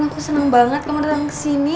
aku seneng banget kamu dateng ke sini